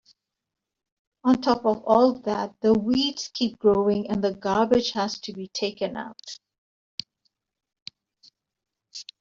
On top of all that, the weeds keep growing and the garbage has to be taken out.